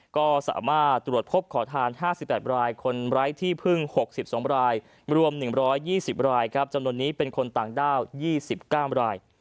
ก็สามารถตรวจพบขอทานห้าสิบแปดรายคนร้ายที่พึ่งหกสิบสองรายรวมหนึ่งร้อยยี่สิบรายครับจำนวนนี้เป็นคนต่างด้าวยี่สิบก้ามราย